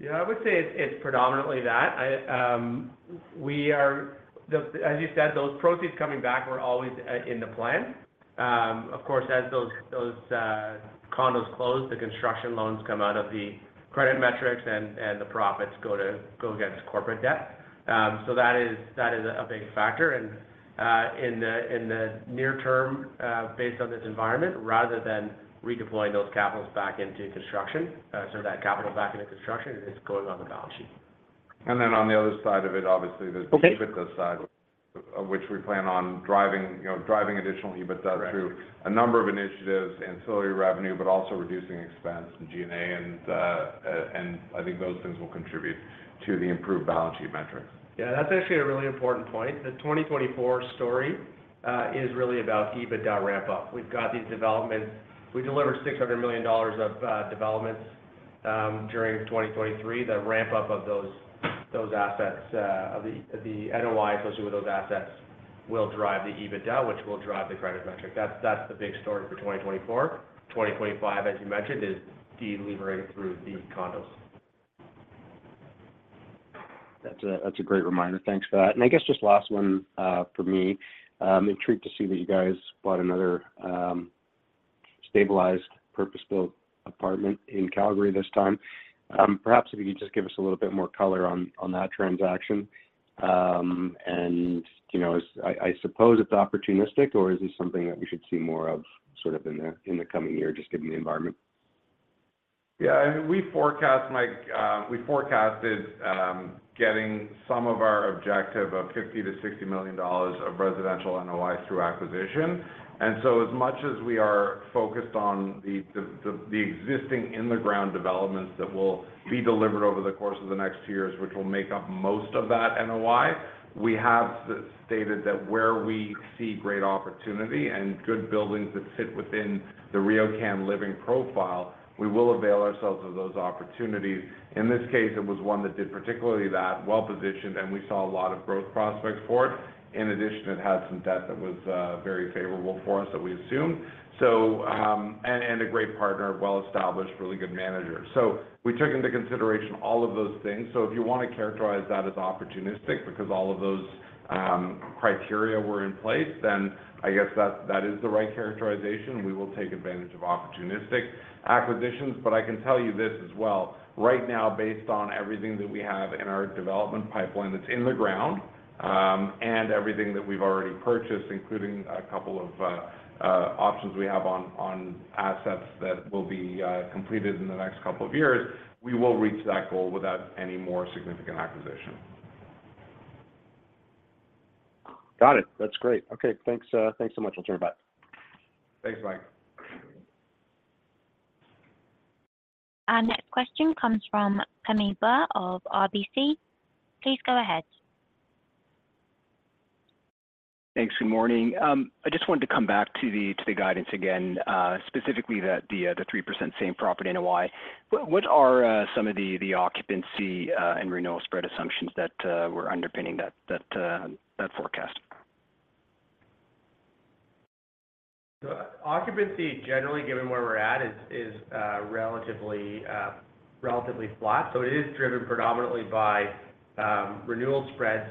Yeah. I would say it's predominantly that. As you said, those proceeds coming back were always in the plan. Of course, as those condos close, the construction loans come out of the credit metrics, and the profits go against corporate debt. So that is a big factor. In the near term, based on this environment, rather than redeploying those capitals back into construction so that capital's back into construction, it is going on the balance sheet. Then on the other side of it, obviously, there's the EBITDA side of which we plan on driving additional EBITDA through a number of initiatives and solar revenue, but also reducing expense and G&A. I think those things will contribute to the improved balance sheet metrics. Yeah. That's actually a really important point. The 2024 story is really about EBITDA ramp-up. We've got these developments. We delivered 600 million dollars of developments during 2023. The ramp-up of those assets, of the NOI associated with those assets, will drive the EBITDA, which will drive the credit metric. That's the big story for 2024. 2025, as you mentioned, is deliberating through the condos. That's a great reminder. Thanks for that. And I guess just last one for me. It's a treat to see that you guys bought another stabilized purpose-built apartment in Calgary this time. Perhaps if you could just give us a little bit more color on that transaction. And I suppose it's opportunistic, or is this something that we should see more of sort of in the coming year, just given the environment? Yeah. I mean, we forecast, Mike, we forecasted getting some of our objective of 50 million-60 million dollars of residential NOI through acquisition. So as much as we are focused on the existing in-the-ground developments that will be delivered over the course of the next years, which will make up most of that NOI, we have stated that where we see great opportunity and good buildings that fit within the RioCan Living profile, we will avail ourselves of those opportunities. In this case, it was one that did particularly that, well-positioned, and we saw a lot of growth prospects for it. In addition, it had some debt that was very favorable for us that we assumed, and a great partner, well-established, really good manager. So we took into consideration all of those things. If you want to characterize that as opportunistic because all of those criteria were in place, then I guess that is the right characterization. We will take advantage of opportunistic acquisitions. But I can tell you this as well. Right now, based on everything that we have in our development pipeline that's in the ground and everything that we've already purchased, including a couple of options we have on assets that will be completed in the next couple of years, we will reach that goal without any more significant acquisition. Got it. That's great. Okay. Thanks so much. I'll turn it back. Thanks, Mike. Our next question comes from Pammi Bir of RBC. Please go ahead. Thanks. Good morning. I just wanted to come back to the guidance again, specifically the 3% same-property NOI. What are some of the occupancy and renewal spread assumptions that were underpinning that forecast? Occupancy, generally, given where we're at, is relatively flat. So it is driven predominantly by renewal spreads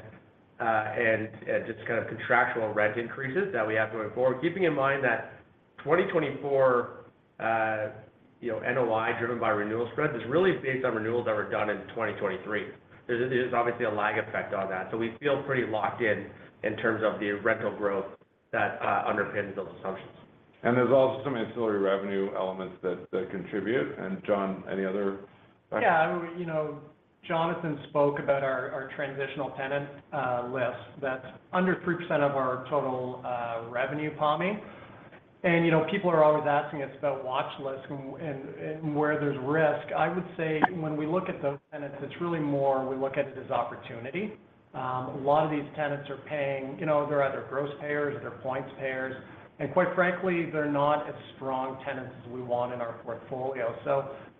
and just kind of contractual rent increases that we have going forward, keeping in mind that 2024 NOI driven by renewal spreads is really based on renewals that were done in 2023. There's obviously a lag effect on that. So we feel pretty locked in in terms of the rental growth that underpins those assumptions. There's also some ancillary revenue elements that contribute. John, any other? Yeah. Jonathan spoke about our transitional tenant list. That's under 3% of our total revenue, Pammi. People are always asking us about watch lists and where there's risk. I would say when we look at those tenants, it's really more we look at it as opportunity. A lot of these tenants are paying they're either gross payers or they're net payers. Quite frankly, they're not as strong tenants as we want in our portfolio.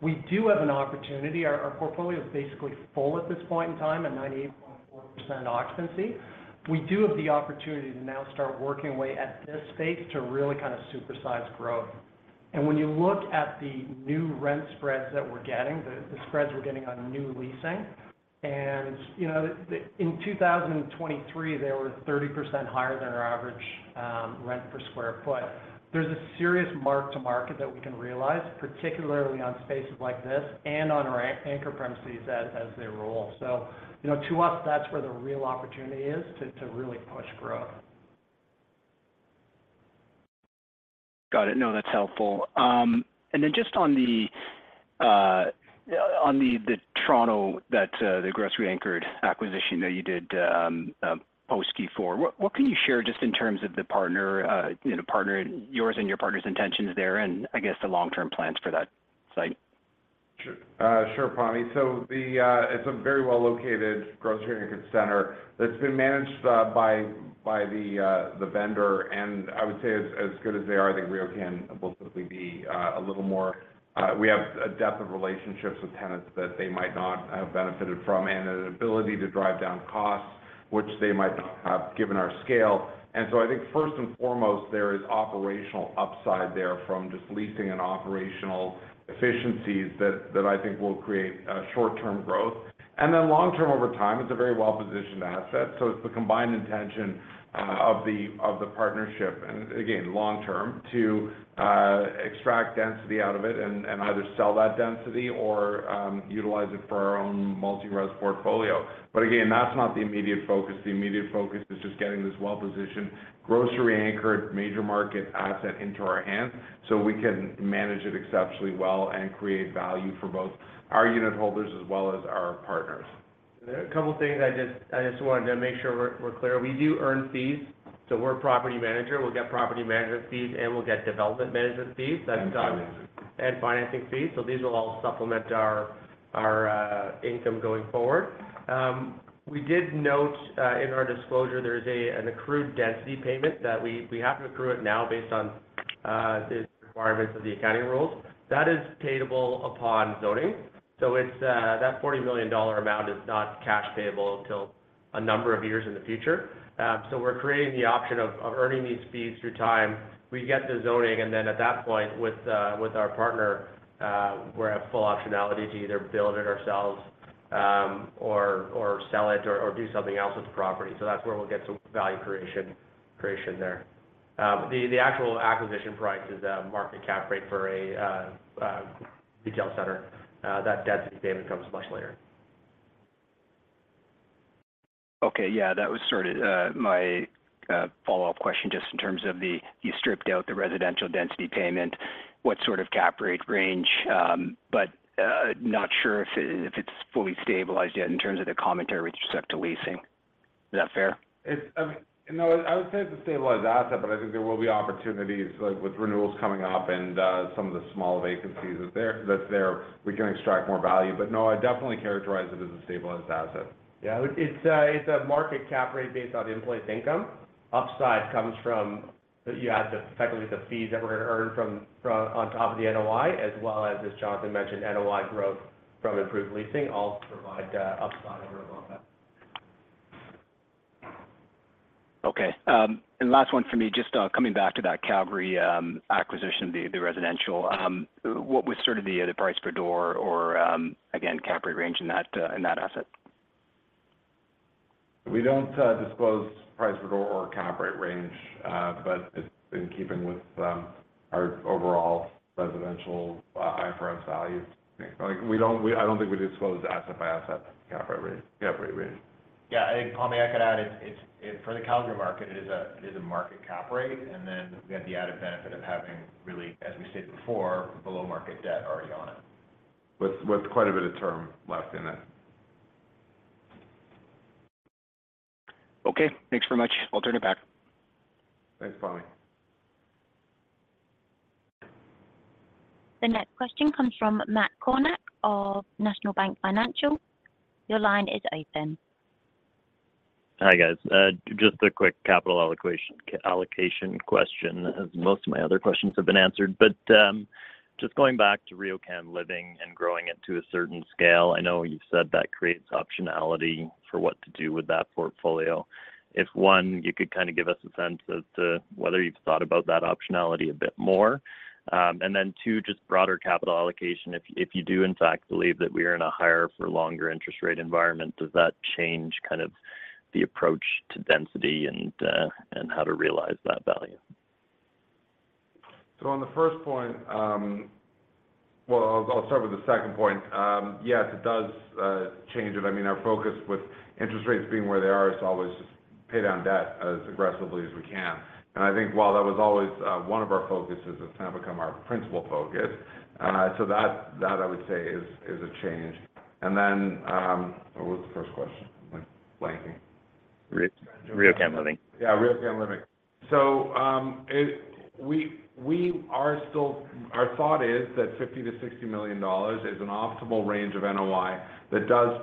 We do have an opportunity. Our portfolio is basically full at this point in time at 98.4% occupancy. We do have the opportunity to now start working away at this space to really kind of supersize growth. When you look at the new rent spreads that we're getting, the spreads we're getting on new leasing, and in 2023, they were 30% higher than our average rent per square foot. There's a serious mark-to-market that we can realize, particularly on spaces like this and on our anchor premises as they roll. So to us, that's where the real opportunity is to really push growth. Got it. No, that's helpful. And then just on the Toronto that the grocery-anchored acquisition that you did post-Q4, what can you share just in terms of the partner, yours and your partner's intentions there, and I guess the long-term plans for that site? Sure. Sure, Pammi. So it's a very well-located grocery-anchored center that's been managed by the vendor. And I would say as good as they are, I think RioCan will simply be a little more. We have a depth of relationships with tenants that they might not have benefited from and an ability to drive down costs, which they might not have given our scale. And so I think first and foremost, there is operational upside there from just leasing and operational efficiencies that I think will create short-term growth. And then long-term, over time, it's a very well-positioned asset. So it's the combined intention of the partnership, and again, long-term, to extract density out of it and either sell that density or utilize it for our own multi-res portfolio. But again, that's not the immediate focus. The immediate focus is just getting this well-positioned grocery-anchored major market asset into our hands so we can manage it exceptionally well and create value for both our unitholders as well as our partners. There are a couple of things I just wanted to make sure we're clear. We do earn fees. So we're property manager. We'll get property management fees, and we'll get development management fees. Financing fees. Financing fees. These will all supplement our income going forward. We did note in our disclosure there is an accrued density payment that we have to accrue it now based on the requirements of the accounting rules. That is payable upon zoning. That 40 million dollar amount is not cash payable until a number of years in the future. We're creating the option of earning these fees through time. We get the zoning, and then at that point, with our partner, we're at full optionality to either build it ourselves or sell it or do something else with the property. That's where we'll get some value creation there. The actual acquisition price is a market cap rate for a retail center. That density payment comes much later. Okay. Yeah. That was sort of my follow-up question just in terms of you stripped out the residential density payment. What sort of cap rate range? But not sure if it's fully stabilized yet in terms of the commentary with respect to leasing. Is that fair? I mean, no. I would say it's a stabilized asset, but I think there will be opportunities with renewals coming up and some of the smaller vacancies that's there. We can extract more value. But no, I definitely characterize it as a stabilized asset. Yeah. It's a market cap rate based on in-place income. Upside comes from you have effectively the fees that we're going to earn on top of the NOI, as well as, as Jonathan mentioned, NOI growth from improved leasing all provide upside over the long term. Okay. And last one for me, just coming back to that Calgary acquisition, the residential, what was sort of the price per door or, again, cap rate range in that asset? We don't disclose price per door or cap rate range, but it's in keeping with our overall residential IFRS value. I don't think we disclose asset-by-asset cap rate range. Yeah. I think, Pammi, I could add for the Calgary market, it is a market cap rate. And then we have the added benefit of having, really, as we stated before, below-market debt already on it. With quite a bit of term left in it. Okay. Thanks very much. I'll turn it back. Thanks, Pammi. The next question comes from Matt Kornack of National Bank Financial. Your line is open. Hi, guys. Just a quick capital allocation question as most of my other questions have been answered. Just going back to RioCan Living and growing it to a certain scale, I know you've said that creates optionality for what to do with that portfolio. If one, you could kind of give us a sense of whether you've thought about that optionality a bit more. And then two, just broader capital allocation, if you do, in fact, believe that we are in a higher-for-longer interest rate environment, does that change kind of the approach to density and how to realize that value? So on the first point, well, I'll start with the second point. Yes, it does change it. I mean, our focus with interest rates being where they are, it's always just pay down debt as aggressively as we can. And I think while that was always one of our focuses, it's now become our principal focus. So that, I would say, is a change. And then what was the first question? I'm blanking. RioCan Living. Yeah, RioCan Living. So our thought is that 50 million-60 million dollars is an optimal range of NOI that does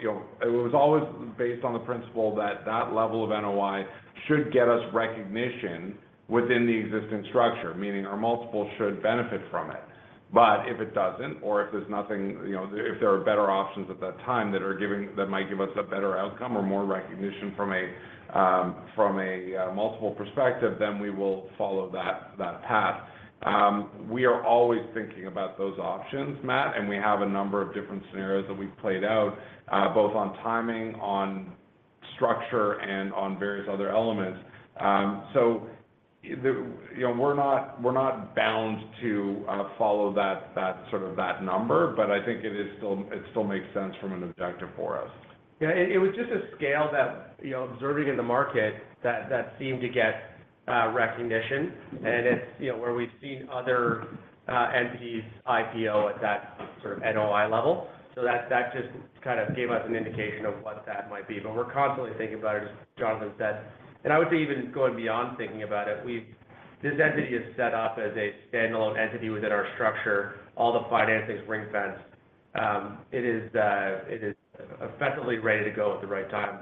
it was always based on the principle that that level of NOI should get us recognition within the existing structure, meaning our multiple should benefit from it. But if it doesn't or if there's nothing if there are better options at that time that might give us a better outcome or more recognition from a multiple perspective, then we will follow that path. We are always thinking about those options, Matt, and we have a number of different scenarios that we've played out both on timing, on structure, and on various other elements. So we're not bound to follow sort of that number, but I think it still makes sense from an objective for us. Yeah. It was just a scale that observing in the market that seemed to get recognition. It's where we've seen other entities IPO at that sort of NOI level. So that just kind of gave us an indication of what that might be. But we're constantly thinking about it, as Jonathan said. I would say even going beyond thinking about it, this entity is set up as a standalone entity within our structure. All the financing's ring-fenced. It is effectively ready to go at the right time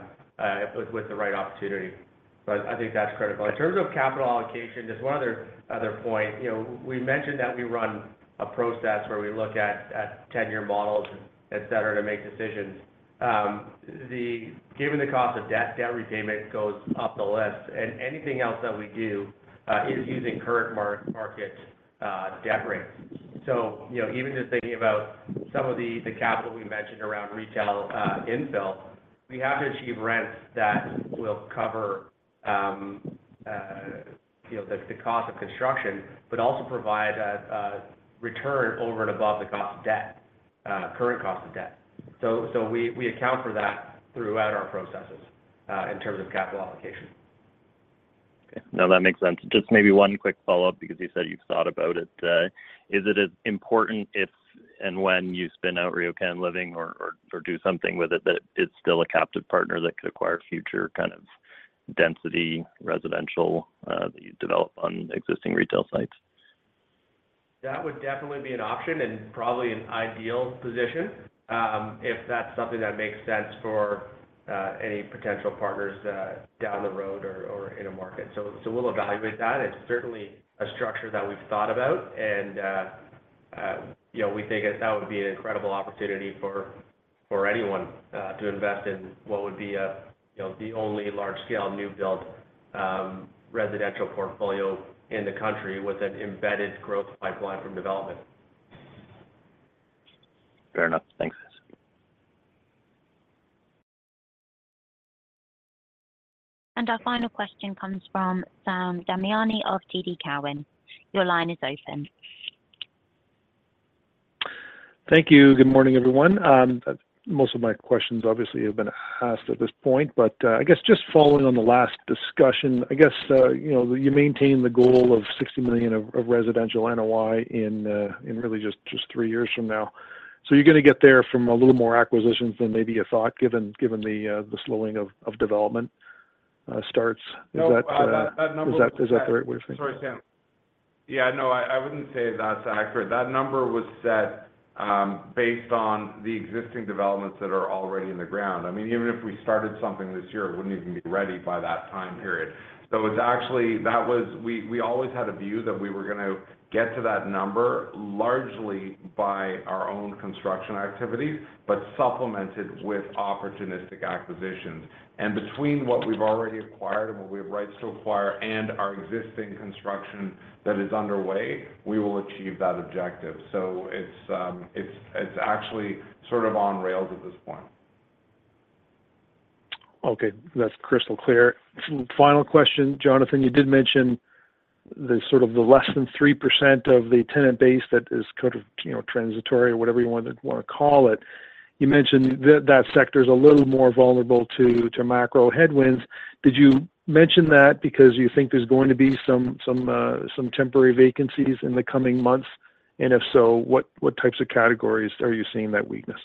with the right opportunity. So I think that's critical. In terms of capital allocation, just one other point, we mentioned that we run a process where we look at 10-year models, etc., to make decisions. Given the cost of debt, debt repayment goes up the list. Anything else that we do is using current market debt rates. Even just thinking about some of the capital we mentioned around retail infill, we have to achieve rents that will cover the cost of construction but also provide a return over and above the current cost of debt. We account for that throughout our processes in terms of capital allocation. Okay. No, that makes sense. Just maybe one quick follow-up because you said you've thought about it. Is it as important if and when you spin out RioCan Living or do something with it that it's still a captive partner that could acquire future kind of density residential that you develop on existing retail sites? That would definitely be an option and probably an ideal position if that's something that makes sense for any potential partners down the road or in a market. So we'll evaluate that. It's certainly a structure that we've thought about. And we think that would be an incredible opportunity for anyone to invest in what would be the only large-scale new-built residential portfolio in the country with an embedded growth pipeline from development. Fair enough. Thanks. Our final question comes from Damiani of TD Cowen. Your line is open. Thank you. Good morning, everyone. Most of my questions, obviously, have been asked at this point. But I guess just following on the last discussion, I guess you maintain the goal of 60 million of residential NOI in really just three years from now. So you're going to get there from a little more acquisitions than maybe you thought given the slowing of development starts. Is that? No, that number. Is that the right way of thinking? Sorry, Sam. Yeah. No, I wouldn't say that's accurate. That number was set based on the existing developments that are already in the ground. I mean, even if we started something this year, it wouldn't even be ready by that time period. So that was, we always had a view that we were going to get to that number largely by our own construction activities but supplemented with opportunistic acquisitions. And between what we've already acquired and what we have rights to acquire and our existing construction that is underway, we will achieve that objective. So it's actually sort of on rails at this point. Okay. That's crystal clear. Final question, Jonathan. You did mention sort of the less than 3% of the tenant base that is kind of transitory or whatever you want to call it. You mentioned that sector's a little more vulnerable to macro headwinds. Did you mention that because you think there's going to be some temporary vacancies in the coming months? And if so, what types of categories are you seeing that weakness?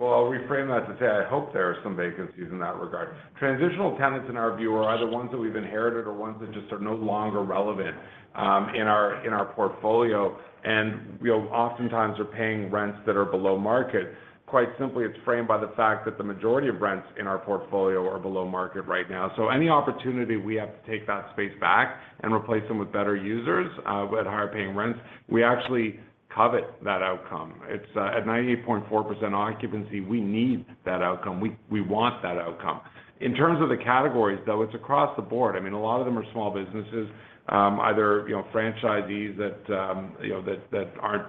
Well, I'll reframe that to say I hope there are some vacancies in that regard. Transitional tenants, in our view, are either ones that we've inherited or ones that just are no longer relevant in our portfolio and oftentimes are paying rents that are below market. Quite simply, it's framed by the fact that the majority of rents in our portfolio are below market right now. So any opportunity we have to take that space back and replace them with better users at higher-paying rents, we actually covet that outcome. At 98.4% occupancy, we need that outcome. We want that outcome. In terms of the categories, though, it's across the board. I mean, a lot of them are small businesses, either franchisees that aren't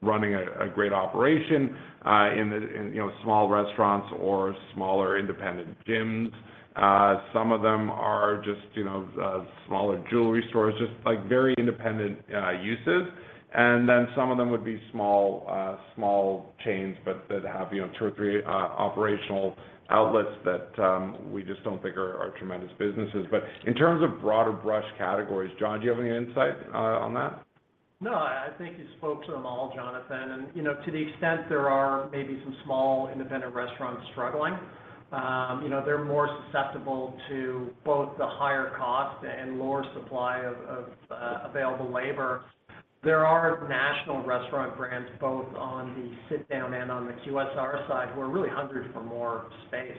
running a great operation in small restaurants or smaller independent gyms. Some of them are just smaller jewelry stores, just very independent uses. And then some of them would be small chains that have two or three operational outlets that we just don't think are tremendous businesses. But in terms of broader-brush categories, John, do you have any insight on that? No, I think you spoke to them all, Jonathan. To the extent there are maybe some small independent restaurants struggling, they're more susceptible to both the higher cost and lower supply of available labor. There are national restaurant brands both on the sit-down and on the QSR side who are really hungry for more space.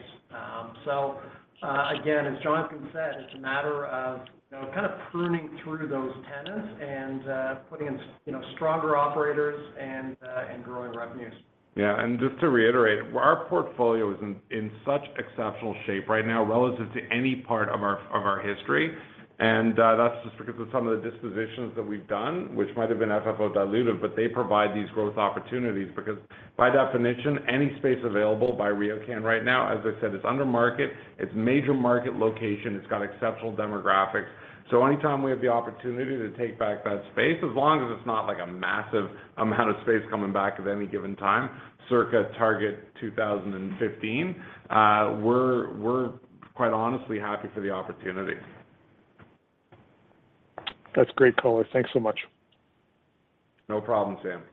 So again, as Jonathan said, it's a matter of kind of pruning through those tenants and putting in stronger operators and growing revenues. Yeah. Just to reiterate, our portfolio is in such exceptional shape right now relative to any part of our history. That's just because of some of the dispositions that we've done, which might have been FFO dilutive, but they provide these growth opportunities because, by definition, any space available by RioCan right now, as I said, is under market. It's major market location. It's got exceptional demographics. So anytime we have the opportunity to take back that space, as long as it's not a massive amount of space coming back at any given time, circa target 2015, we're quite honestly happy for the opportunity. That's great, Color. Thanks so much. No problem, Sam.